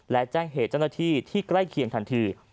และแจ้งเหตุเจ้าหน้าที่ที่ใกล้เคียงทันที